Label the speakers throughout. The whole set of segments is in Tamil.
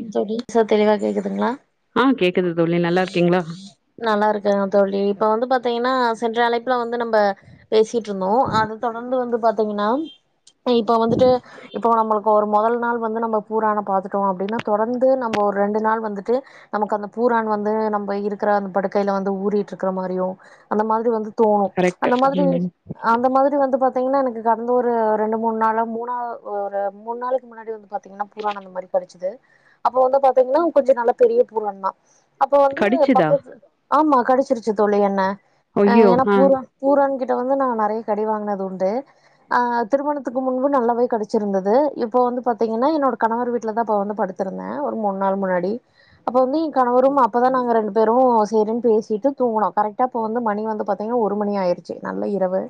Speaker 1: ம் சேரி சார் தெளிவா கேக்குதுங்களா
Speaker 2: ஆ கேக்குது தோழி நல்லா இருக்கீங்களா
Speaker 1: நல்லா இருக்கங்க தோழி இப்ப வந்து பாத்தீங்கன்னா சென்ற அழைப்புல வந்து நம்ம ப்ப பேசிட்டு இருந்தோ அத தொடர்ந்து வந்து பாத்தீங்கன்னா இப்ப வந்துட்டு இப்போ நம்மளுக்கு ஒரு மொதல் நாள் வந்து நம்ம பூரான பாத்துட்டோ அப்டின்னா தொடர்ந்து நம்ம ஒரு ரெண்டு நாள் வந்துட்டு நமக்கு அந்த பூரான் வந்து நம்ம இருக்ற அந்த படுக்கைல வந்து ஊறிட்டு இருக்கிற மாரியும் அந்த மாதிரி வந்து தோணு
Speaker 2: கரெக்ட்
Speaker 1: அந்த மாதிரி
Speaker 2: ம்
Speaker 1: அந்த மாதிரி வந்து பா பார்த்திங்கன்னா எனக்கு கடந்த ஒரு ரெண்டு மூணு நாளா மூணா ஒரு மூணு நாளைக்கு முன்னாடி வந்து பார்த்தீங்கன்னா பூரான் அந்த மாரிகடச்சுது அப்ப வந்து பாத்தீங்கன்னா கொஞ்சம் நல்ல பெரிய பூரான் தான் அப்ப வந்து
Speaker 2: கடிச்சுதா
Speaker 1: பக்கத்து ஆமா கடிச்சிருச்சு தோழி என்ன அ
Speaker 2: ஐயோ
Speaker 1: ஏன்னா
Speaker 2: ஆ
Speaker 1: பூரா பூரான் கிட்ட [unintelligible] வந்து நறைய கடி வாங்கினது உண்டு் ஆ திருமணத்துக்கு முன்பு நல்லாவே கடிச்சிருந்தது இப்ப வந்து பாத்தீங்கன்னா என்னோட கணவர் வீட்டுல தான் இப்போ வந்து படுத்து ந்த ஒரு மூன் நாள் முன்னாடி அப்பவந்து என் கணவரும் அப்பதான் நாங்க ரண்டு பேரும் சேரின்னு பேசிட்டு தூங்குனோ கரெக்டாஅப்போ வந்து மணி வந்து பாத்திங்கனா ஒரு மணி ஆயிடுச்சி நல்ல இரவு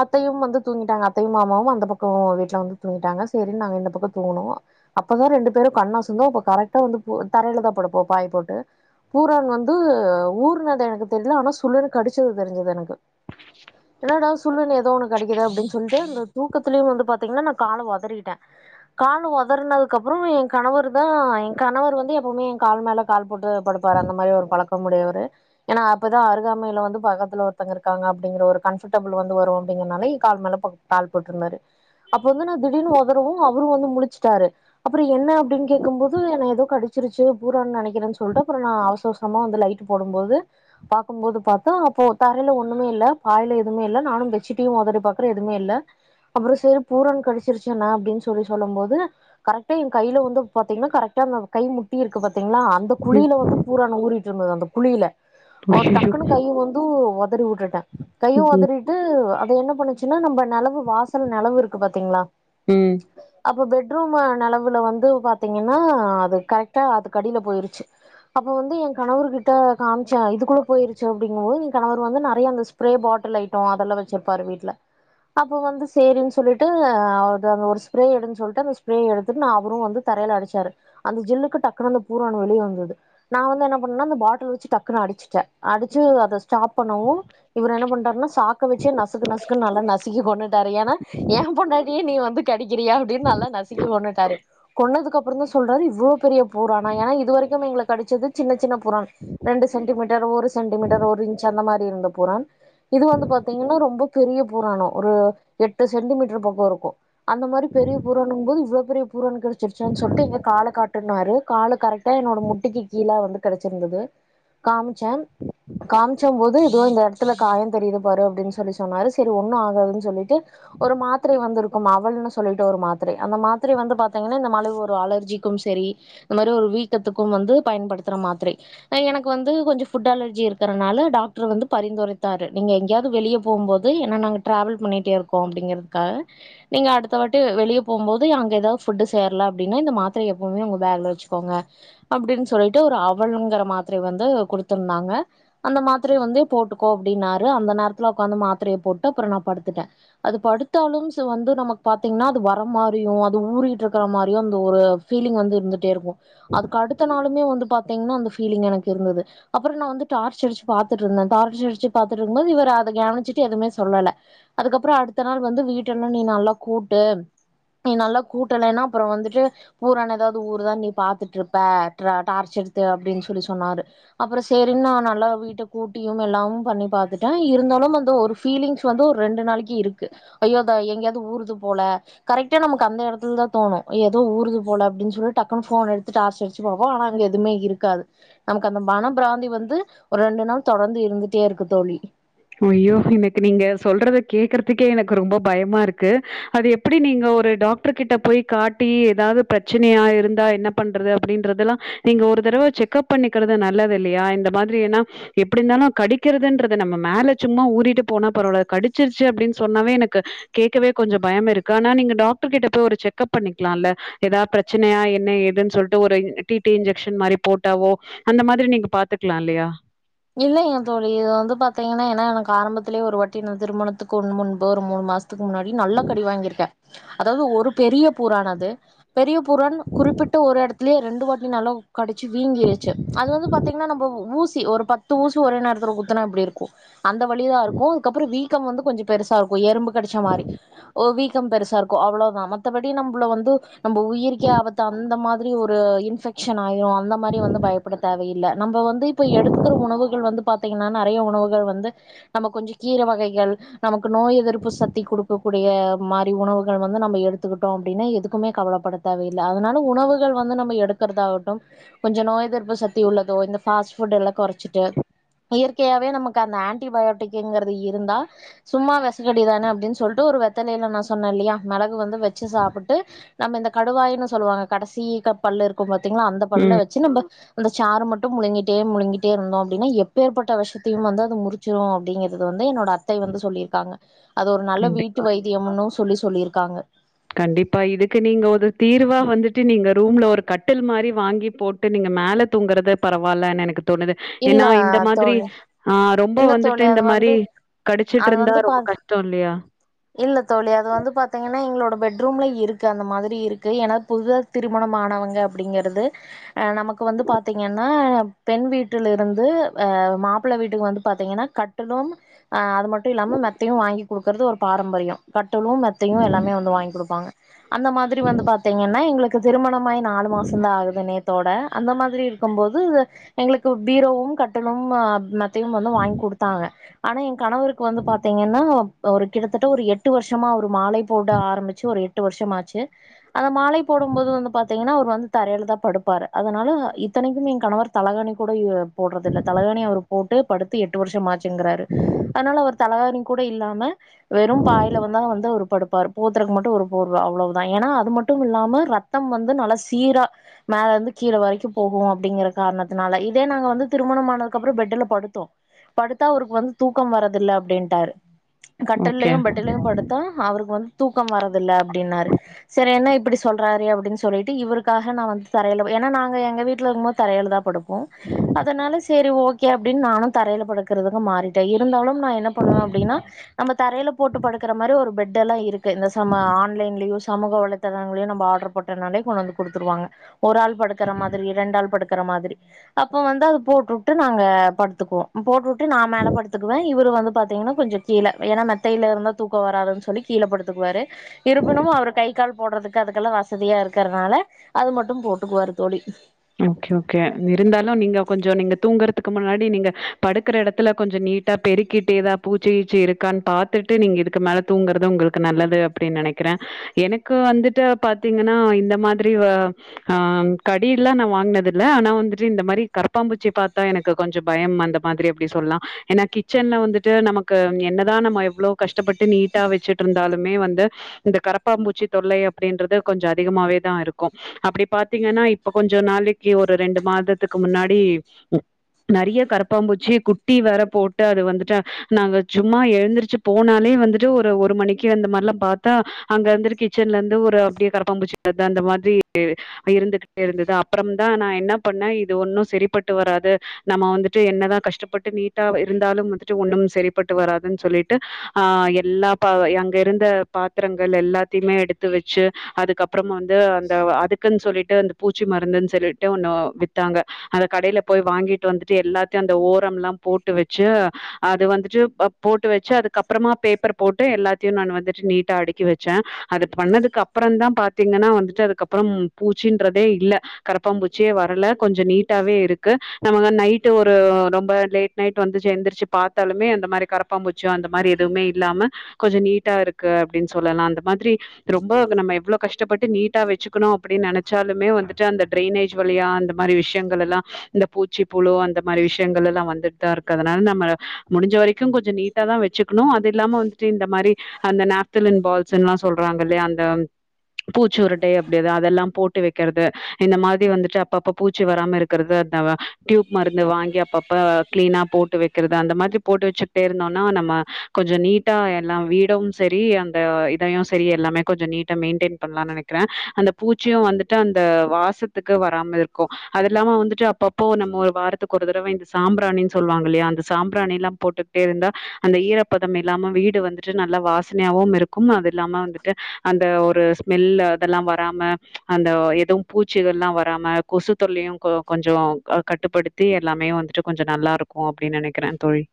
Speaker 1: அத்தையும் வந்து தூங்கிட்டாங்க அத்தையும் மாமாவும் அந்த பக்கம் வீட்ல வந்து தூங்கிட்டாங்க சேரினு நாங்க இந்த பக்கம் தூங்குனோ அப்பதான் ரெண்டு [unintelligible] கண்ணசந்தோ கரெக்டா வந்து தரையில தான்படுப்போம் பாய் போட்டு பூரான் வந்து ஊர்னது எனக்கு தெரியல ஆனா சுல்லுனு கடிச்சது தெரிஞ்சது எனக்கு என்னடா சுல்லுனு ஏதோ ஒண்ணு கடிக்குதே அப்டின்னு சொல்டு அந்த தூக்கத்திலய வந்து பாத்தீங்கன்னா நா கால ஒதறிட்டே கால ஒதறனதுக்கு அப்புறம் கணவர் தான் என் கணவர் வந்து எப்பவுமே என் கால் மேல கால் போட்டு படுப்பாரு அந்த மாரி ஒரு பழக்கம் உடையவரரு ஏன்னா அப்பதான் அருகாமையில வந்து பக்கத்துல ஒருத்தவங்க இருக்காங்க அப்படிங்கற ஒரு கம்ஃபர்டபிள் வந்து வரும் அப்படிங்கறனால கால் மேல கால் போட்டுருந்தாரு அப்ப வந்து நான் திடீர்னு ஓதறவும் அவரும் வந்து முழிச்சிட்டாரு அப்புறம் என்ன அப்டின்னு கேக்கும் போது என ஏதோ கடிச்சிருச்சு பூரான்னு நினைக்கிற சொல்லிட்டு அப்புறம் நான் அவசர அவசரமா வந்து லைட் போடும்போது பாக்கும்போது பாத்தா அப்போ தரையல ஒண்னு மே இல்ல பாயல எதுவுமே இல்ல நானும் பெற்சிட் உதரி பாக்குறே எதுமே இல்ல அப்புறம் சரி பூரான் கடிச்சிருச்சு நா அப்டி சொல்லி சொல்லும் போது கரெக்டா என் கையில வந்து பாத்திங்னா கரெக்ட்டா [unintelligible] கை முட்டி இருக்கு பாத்திங்ளா அந்த
Speaker 2: ம்
Speaker 1: குழியில வந்து பூரா ஊறிட்டு இருந்தது அந்த குழி இல்ல ஒரு
Speaker 2: ஐயையோ
Speaker 1: டக்குன்னு கையு வந்து ஒதறி உ ட்டுட்டே கையும்
Speaker 2: ம்
Speaker 1: உதறிட்டு என்ன பண்ணுச்சுன்னா நம்ம நெலவு வாசல் நேலவு இருக்கு பாத்தீங்களா
Speaker 2: ம்
Speaker 1: அப்ப பெட் [unintelligible] நெலவுல வந்து பாத் பாத்திங்கன்னா அது கரெக்டா அது க டியில போயிருச்சு அப்ப வந்து என் கணவர் கிட்ட காம்சே இதுக்குள்ள போயிருச்சு அப்படிங்கும்போது என் கணவர் வந்து நரய அந்த ஸ்பிரே பாட்டில ஐட்டம் அதல்லாம் வச்சிருப்பாரு வீட்ல அப்போ வந்து செரி சொல்லுட்டு அதுல ஸ்பிரே எடுன் சொல்ட்டு அந்த ஸ்பிரே எடுத்து நா அவரு வந்து தரைல அடிச்சாரு அந்த ஜில்லுக்கு டக்குனு பூரான் வெளிய வந்தது நா வந்து என்ன பண்ண னா அந்த பாட்லே வச்சி டக்குனு அடிச்சுட்டே அடிச்சு அத ஸ்டாப் பண்ணவோ இவர் என்ன பண்ணட்டாருனா சாக்க வச்சு நசுக்கு நசு க்கு நல்லா நசுக்கி கொண்னு ட்டாரு ஏன்னா ஏன் பொண்டாட்டிய நீ வந்து கடிக்கிறியா அப்டின்னு நல்லா நசுக்கி கொன்னுட்டாரு கொன்னதுக்குப்புறம் தான் சொல்றாரு இவ்ளோ பெரிய பூரானா ஏன்னா இது வரைக்கும் எங்களுக்கு கடிச்சது சின்ன சின்ன பூரான் ரெண்டு சென்டிமீட்டர் ஒரு சென்டிமீட்டர் ஒரு இன்ச் அந்த மாரி இருந்த பூரான் இது வந்து பாத்தீங்கன்னா ரொம்ப பெரிய பூ ராணம் ஒரு எட்டு சென்டிமீட்டர் பக்கம் இருக்கும் அந்த மாரி பெரிய பூரானு போது இவ்வளோ பெரிய பூரானு கடிச் கடிச்சிடுச்சானு சொல்டு எங்க கால காட்டடு ன்னாரு கால கரெக்டா என்னோட முட்டிக்கு கீழே வந்து கடி ச்சிருந்தது காமிச்சேன் காமிச்ச போதுஏன் இந்த இடத்துல காயம் தெரியுது பாரு அப்டின்னு சொல்லி சொன்னாரு சரி ஒண்ணு ஆகாதுன்னு சொல்லிட்டு ஒரு மாத்திரை வந்து இருக்கும் அவள்ன்னு சொல்லிட்டு ஒரு மாத்திரை அந்த மாத்திரை வந்து பாத் தீங்கனா இந்த மாலி ஒரு அலர்ஜிக்கும் சரி இந்த மாரி ஒரு வீக்கத்துக்கு வந்து பயன்படுத்தற மாத்திரை அ எனக்கு வந்து கொஞ்ச ஃபுட் அலர்ஜி இருக்கறனால டாக்டர் வந்து பரிந்துரைத்தாரு நீங்க எங்கயாது வெளிய போம்போது ஏனா நாங்க டிராவல் பண்ணிட்டே இருக்கோ அப்டிங்கறதுக்காக நீங்க அடுத்த வாட்டி வெளிய போம்போது அங்க எதாவ் ஃபுட்டு சேர்ல அப்படின்னா இந்த மாத்திரய எப்பவுமே உங்க பேக்ல வச்சுக்கோங்க அப்படின்னு சொல்லிட்டு ஒரு அவல்ங்கிற மாத்தரைய வந்து குடுத்திருந்தாங்க அந்த மாத்திரய வந்து போட்டுக்கோ அப்டின்னாரு அந்த நேரத்துல உக்காந்து மாத்தரைய போட்டு அப்பறோ நா படுத்துட்டே அது படுத்தாலு சோ வந்து நமக் பாத்தீங்கன்னா அது வர மாரியு அது ஊறி ட்ருக்கற மாரியு அந்த ஒரு ஃபீலிங் வந்து இருந்துட்டே இருக்கு அதுக்கடுத்த நாளுமே வந்து பாத்தீங்கனா அந்த ஃபீலிங் எனக்கிருந்துது அப்றோ நா வந்து டார்ச் அடிச்சு பாத்துட்ருந்தே டார்ச் அடிச்சு பாத்துட்ருக்கும்போது இவரு அத கவனிச்சுட்டு எதுமே சொல்லல அதுக்கப்பறோ அடுத்த நாள் வந்து வீட்டல்லா நீ நல்லா கூட்டு நீ நல்லா கூட் டலேனா அப்பறோ வந்துட்டு பூரானெதாவது ஊறுதா நீ பாத்துட்ருப்ப ட்ர டார்ச் எடுத்து அப்டின் சொல்லி சொன்னாரு அப்பறோ சேரின் நா நல்லா வீட்ட கூட்டியு எல்லாவு பண்ணி பாத்துட்டே இருந்தாலு அந்த ஒரு ஃபீலிங்ஸ் வந்து ரெண்டு நாளைக்கு இருக்கு ஐயோ த எங்கியாவது ஊறுது போல கரெக்டா நமக்கு அந்த எடத் துல தா தோணு ஏதோ ஊறுது போல அப்டின் சொல்லி டக்குன்னு ஃபோன் எடுத்து டார்ச் அடிச்சு பாப்போ ஆனா அங்க எதுமே இருக்காது நமக்கு அந்த மன பிராந்தி வந்து ஒரு ரெண்டு நாள் தொடர்ந்து இருந்துட்டே இருக்கு தோழி
Speaker 2: ய்யோ எனக்கு நீங்க சொல்றத கேக்குறதுக்கே எனக்கு ரொம்ப பயமா இருக்கு அது எப்டி நீங்க ஒரு டாக்டர் கிட்ட போய் காட்டி எதாவது பிரச்சனையா இருந்தா என்ன பண்றது அப்டின்றதெல்லா நீங்க ஒரு தடவ செக்கப் பண்ணிக்கறது நல்லதில்லயா இந்த மாரி ஏனா எப்டி இருந்தாலு கடிக்கிறதுன்ற து நம்ம மேல சும்மா ஊறிட்டு போனா பரவால்ல கடிச்சிருச்சு அப்படின் சொன்னாவே எனக்கு கேக்கவே கொஞ்ச பயம் இருக்கு ஆனா நீங்க டாக்டர் கிட்ட போய் ஒரு செக்கப் பண்ணிக்கலால்ல எதா பிரச்சனையா என்ன ஏதுன் சொல்லிட்டு ஒரு டி டி இன்ஜெக்ஷன் மாரி போட்டாவோ அந்த மாதிரி நீங்க பாத்துக்கலா இல்லயா
Speaker 1: இல்லைங்க தோழி இது வந்து பாத்தீங்கன்னா ஏனா எனக்கு ஆரம்பத்துலே ஒரு வாட்டி நா திருமணத்துக்கு [unintelligible] முன்பு ஒரு மூணு மாசத் துக்கு முன்னாடி நல்லா கடி வாங்கிருக்கே அதாவது ஒரு பெரிய பூரான் அது பெரிய பூரான் குறிப்பிட்ட ஒரு எடத் துலே ரெண்டு வாட்டி நல்லா கடிச்சி வீங்கிருச்சு அது வந்து பாத்தீங்கனா நம்ம ஊ சி ஒரு பத் து ஊசி ஒரே நேரத்துல குத்துனா எப்டி இருக்கு அந்த வலி தா இருக்கு அதுக்கப்பறோ வீக் க்கம் வந்து கொஞ்சோ பெருசா இருக்கு எறும்பு கடிச்ச மாரி ஒ வீக்கம் பெருசா இருக்கு அவ்ளோ தா மத்தபடி நம்பல வந்து நம்ப உயிர்க்கே ஆபத்து அந்த மாதிரி ஒரு இன்ஃபெக்ஷன் ஆயிரு அந்த மாரி வந்து பயப்பட தேவ நம்ப வந்து இப்ப எடுத்து உணவுகள் வந்து பா்த்தீங்கன்னா நெறைய உணவுகள் வந்து நம்ம கொஞ்சோ கீர வகைகள் நமக் கு நோய் எதிர்ப்பு சத்தி குடுக்கக்கூடிய மாரி உணவுகள் வந்து நம்ம எடுத்துக்கிட்டோ அப்டின்னா எதுக்குமே கவலைப்பட தேவயில்ல அதனால உணவுகள் வந்து நம்ம எடுக்கறதாகட்டு கொஞ்சோ நோய் எதிர்ப்பு சத்தி உள்ளதோ இந்த ஃபாஸ்ட் ஃபுட் எல்லா கொற ச்சிட்டு இயற்கையாவே நமக்கு அந்த ஆன்டிபயோட்டிக்குங்கறது இருந்தா சும்மா வெஷக்கடி தான அப்டின் சொல்ட்டு ஒரு வெத்தலைல நா சொன்னல்லையா மெளகு வந்து வெச்சி சாப்புட்டு நம்ம இந்த கடுவாய்னு சொல்லுவாங்க கடசி க பல் இருக்கு பா த்தீங்கனா அந்த பல்ல
Speaker 2: ம்.
Speaker 1: வெச்சு நம்ம அந்த சாரு மட்டு முழுங்கிட்டே முழுங்கி ட்டே இருந்தோ அப்டின்னா எப்பேர்பட்ட வெஷத்தயு வந்து அது முறிச்சிரு அப்படிங்கறது வந்து என்னோட அத்தை வந்து சொல்லிருக்காங்க அது ஒரு நல்ல
Speaker 2: கண்டிப்பா.
Speaker 1: வீட்டு வைத்தியமுன்னு சொல்லி சொல்லிருக்காங்க
Speaker 2: கண்டிப்பா இதுக்கு நீங்க ஒரு தீர்வா வந்துட்டு நீங்க ரூம்ல ஒரு கட்டில் மாரி வாங்கி போட்டு நீங்க மேல தூங்கறது பரவால்லனு எனக்கு தோணுது
Speaker 1: இல்ல
Speaker 2: ஏன்னா இந்த மாதிரி
Speaker 1: தோழி
Speaker 2: ஆஹ் ரொம்ப
Speaker 1: இல்ல
Speaker 2: வந்துட்டு
Speaker 1: தோழி
Speaker 2: இந்த
Speaker 1: அது
Speaker 2: மாரி
Speaker 1: வந்து அது
Speaker 2: கடிச்சிட்ருந்தா
Speaker 1: வந்து
Speaker 2: ரொம்ப
Speaker 1: பாதி
Speaker 2: கஷ்டோ இல்லி யா
Speaker 1: இல்ல தோழி அது வந்து பாத்தீங்கன்னா எங்களோட பெட்ரூம்ல இருக்கு அந்த மாதிரி இருக்கு ஏன்னா புதுதா திருமணமானவங்க அப்படிங்கறது அஹ் நமக்கு வந்து பாத்தீங்கன்னா பெண் வீட்டுலருந்து அஹ் மாப்பிள வீட்டுக்கு வந்து பாத்தீங்கன்னா கட்டுலும் ஆ அது மட்டு இல்லாம மெத்தையு வாங்கி குடுக்கறது ஒரு பாரம்பரியோ கட் டுலு மெத்தையு எல்லாமே வந்து வாங்கி குடுப்பாங்க அந்த மாதிரி வந்து பாத்தீங்கன்னா எங்களுக்கு திருமணமாயி நாலு மாசந்தா ஆகுது நே த்தோட அந்த மாதிரி இருக்கும் போது எங்களுக்கு பீரோவு கட்டுலு ஆ மெத் தையு வந்து வாங் குடுத்தாங்க ஆனா எங் கணவருக்கு வந்து பாத்தீங்கன்னா ஒரு ரு எட்டு வருஷமா அவரு மாலை போட ஆரம்பிச்சு ஒரு எட்டு வருஷம் ஆச்சு அந்த மாலை போடும் போது வந்து பாத்தீங்கன்னா அவர் வந்து தரையிலதா படுப்பாரு அதனால இத்தனைக்கும் என் கணவர் தலகானி கூட யூ வெ போடுறதில்ல தலகானி அவர் போட்டு படுத்து எட்டு வருஷமாச் ங்கிறாரு அதனால அவர் தலவாணி கூட இல்லாம வெறும் பாய்ல வந்தா வந்து அவரு படுப்பாரு போத்தருதுக் மட் மட்டு ஒரு போர்வ அவ்ளோதா ஏனா அது மட்டுமில்லாம ரத்தம் வந்து நல்லா சீரா மேல இருந்து கீழ வரைக்கும் போகும் அப்டிங்குற காரணத்துனால இதே நாங்க வந்து திருமணம் ஆனதுக்கப்பறொ பெட்ல படுத்தோ படுத்தா அவருக்கு வந்து தூக்கம் வரதில்லை அப்பிடின் ட்டாரு கட்
Speaker 2: ஓகே.
Speaker 1: லயு பெட்டுலயு படுத்தா அவருக்கு வந்து தூக்கம் வரதில்லை அப்படின்னாரு சரி என்ன இப்படி சொல்றாரு அப்டின்னு சொல்லிட்டு இவருக்காக நா வந்து தரையில ப ஏனா நாங்க எங்க வீட்ல இருக்குபோது தரையிலதா படுப்போ அதனால சரி ஓகே அப்டினு நானு தரைல படுக்கறதுக்கு மாறிட்டே இருந்தாலும் நா என்ன பண்ணுவே அப்படின்னா நம்ம தரைல போட்டு படுக்குற மாரி ஒரு பெட்டெல்லா இருக்கு இந்த சம ஆன்லைன்லேயோ சமூக வலைதளங்களயோ நம்பொ ஆட்ரு போட்டறதுனாலே கொண்டு வந்து குடுத்துருவாங்க ஒரு ஆள் படுக்கிற மாதிரி ரெண்டு ஆள் படுக்கிற மாதிரி அப்போ வந்து அது போட்டுட்டு நாங்க படுத்துக்குவோ போட்டுட்டு நா மேலே படுத்துக்குவே இவர் வந்து பார்த்தீங்கன்னா கொஞ்சொ கீழே ஏன்னா மெத்தையில இருந்தா தூக்கம் வராதுன்னு சொல்லி கீழேப்படுத்துக்குவாரு இருப்பினும் அவர் கை கால் போடுறதுக்கு அதுக்கெல்லா வசதியா இருக்கறதுனால அது மட்டும் போட்டுக்குவாரு தோழி
Speaker 2: ஓகே ஓகே இருந்தாலும் நீங்க கொஞ்சொ நீங்க தூங்கறத்துக்கு முன்னாடி நீங்க படுக்கற எடத்துல கொஞ்சம் நீட்டா பெருக்கிட்டு எதா பூச்சி ஈச்சி இருக்கான்னு பாத்துகுட்டு நீங்க இதுக்கு மேல தூங்கறது உங்களுக்கு நல்லது அப்படின்னு நெனைக்குறே எனக்கு வந்துட்டு பாத்தீங்கன்னா இந்த மாதிரி வ ஆஹ் கடி ல்ல நா வாங்கினது இல்ல ஆனா வந்துட்டு இந்த மாரி கருப்பாம்பூச்சி பாத்தா எனக்கு கொஞ்சொ பயம் அந்த மாதிரி அப்டி சொல்லலா ஏன்னா கிச்சன்ல வந்துட்டு நமக்கு என்னதா நம எவ்ளோ கஷ்டபட்டு நீட்டா வச்சுட் இருந் இருந்தாலுமே வந்து இந்த கரப்பாம்பூச்சி தொல்லை அப்படின்றது கொஞ்ச அதிகமாவேதா இருக்கு அப்படி பாத்தீங்கன்னா இப் இப்ப கொஞ்சொ நாளைக்கு ஒரு ரெண்டு மாசத்துக்கு முன்னாடி நெறைய கரப்பாம்பூச்சி குட்டி வேற போட்டு அது வந்துட்டு நாங்க சும்மா எழுந்திர்ச்சு போனாலே வந்துட்டு ஒரு ஒரு மணிக்கு அந்த மாரிலா பாத்தா அங்க வந்துட்டு கிச்சன்ல இருந்து ஒரு அப்படியே கரப்பாம்பூச்சி அந்த மாதிரி இருந்துட் இருந்தது அப்பறம்தான் நா என்ன பண்ண இது ஒன்னு சரிப்பட்டு வராது நம்ம வந்துட்டு என்னதா கஷ்டப்பட்டு நீட்டா இருந்தாலு வந்துட்டு ஒன்னும் சரிப்பட்டு வராதுன்னு சொல்லிட்டு ஆஹ் எல்லா பா அங்க இருந்த பாத்தரங்கள் எல்லாத்தையுமே எடுத்து வச்சு அதுக்கப்புறமா வந்து அந்த அ அதுக்குன்னு சொல்லிட்டு அந் பூச்சி மருந்துன்னு சொல்லிட்டு ஒன்னு வித்தாங்க அத கடையில போய் வாங்கிட்டு வந்துட்டு எல்லாத்தையு அந்த ஓரம்லா போட்டு வச்சு அது வந்துட்டு போட்டு வச்சு அதுக்கப்பறமா பேப்பர் போட்டு எல்லாத்தையு நான் வந்துட்டு நீட்டா அடுக்கி வச்சே அது பண்ணதுக்கு அப்பறந்தான் பாத்தீங்கன்னா வந்துட்டு அதுக்கப்புறம் பூச்சின் ன்றதே இல்ல கரப்பாம்பூச்சியே வரல கொஞ்சொ நீட்டாவே இருக்கு நமக நைட் ஒரு ரொம்ப லேட் நைட் வந்துச்சு எந்திரச்சு பாத்தாலுமே அந்த மாரி கரப்பா பூச்சு அந்த மாரி எதுவுமே இல்லாம கொஞ்சொ நீட்டா இருக்கு அப்படின்னு சொல்லலாம் அந்த மாதிரி ரொம்ப வந்து நம்ம எவ்ளோ கஷ்டப்பட்டு நீட்டா வச்சுக்கணு அப்படின்னு நென சாலுமே வந்துட்டு அந்த டிரைனேஜ் வழியா அந்த மாரி விஷயங்களெல்லா இந்த பூச்சி புழு அந்த மாரி விஷயங்கள் எல்லா வந்துட்தா இருக்கு அதனால நம்ம முடிஞ்ச வரைக்கும் கொஞ்சொ நீட்டாதா வச்சுக்கணு அது இல்லாம வந்துட்டு இந்த மாரி அந்த நாப்தலின் பால்ஸ்ன்னுலா சொல்றாங்க இல்லையா அந்த பூச்சு உருண்டை அப்டித அதெல்லாம் போட் போட்டு வைக்கிறது இந்தமாதிரி வந்துட்டு அப்பப்ப பூச்சி வராம இருக்கிறது அந்த டியூப் மருந்து வாங்கி அப்பப்ப கிளீனா போட்டு வைக்கிறது அந்த மாதிரி போட்டு வச்சுக்கிட்டே இருந்தோம்னா நம்ம கொஞ்சம் நீட்டா எல்லாம் வீடவும் சரி அந்த இதையும் சரி எல்லாமே கொஞ்சம் நீட்டா மெயின்டென் பண்ணலாம்னு நினைக்கிறேன் அந்த பூச்சியும் வந்துட் ட்டு அந்த வாசத்துக்கு வராம இருக்கு அது இல்லாம வந்துட்டு அப்பப்போ நம்ம ஒரு வாரத்துக்கு ஒரு தடவ இந்த சாம்பிராணின்னு சொல்லுவாங்கல்லையா அந்த சாம்பிராணி எல்லாம் போட்டுக்கிட்டே இருந்தா அந்த ஈரப்பதம் இல்லாம வீடு வந்துட்டு நல்லா வாசனையாவும் இருக்கும் அது இல்லாம வந்துட்டு அந்த ஒரு ஸ்மெல் அதெல்லா வராம அந்த வ எதுவு பூச்சிகள்லா வராம கொசு தொல்லையும் கொ கொஞ்சொ கட்டுப்படுத்தி எல்லாமே வந்துட்டு கொஞ்சொ நல்லா இருக்கு அப்படின்னு நெனைக்கிறே தொழி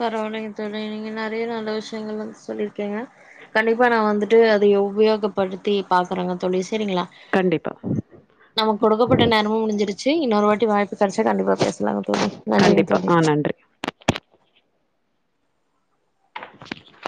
Speaker 1: பரவாயில்லைங்க தொழி நீங்க நெறைய நல்ல விஷயங்கள் வந்து சொல்லிருக்கீங்க கண்டிப்பா நா வந்துட்டு அதைய உபயோகப்படுத்தி பாக்குறேங்க தொழி சரிங்களா
Speaker 2: கண்டிப்பா,
Speaker 1: நமக் கொடுக்கப்பட்ட நேரமும் முடிஞ்சிருச் சு இன்னொரு வாட்டி வாய்ப்பு கடைச்சா கண்டிப்பா பேசலா நன்றிங்க
Speaker 2: கண்டிப்பா.
Speaker 1: தோழி
Speaker 2: ஆ நன்றி. [inaudible]